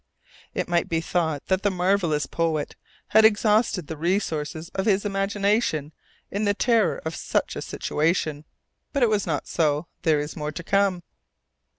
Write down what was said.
It might be thought that the marvellous poet had exhausted the resources of his imagination in the terror of such a situation; but it was not so. There is more to come!